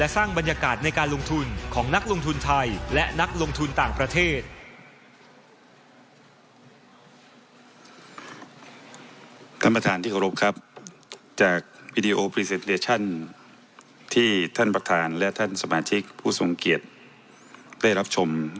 ที่ท่านประธานและท่านสมาธิกษ์ผู้ทรงเกียจได้รับชม